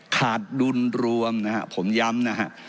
ขาดดุลรวมนะครับผมย้ำนะครับ